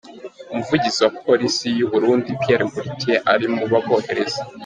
Umuvugizi wa Police y’u Burundi Pierre Nkurikiye ari mu babohereza